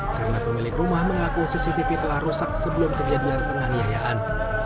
karena pemilik rumah mengaku cctv telah rusak sebelum kejadian penganiayaan